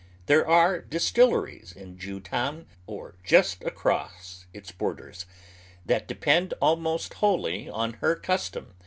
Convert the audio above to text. There are disfcilleriee in Jewtown, or just across its borders, tliat de pend ahnoet wholly on Iter custom.